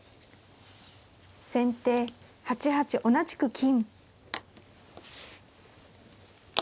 先手８八同じく金。